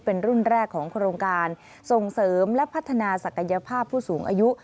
เป็นรุ่นแรกของโครงการส่งเสริมและพัฒนาศักยภาพผู้สูงอายุ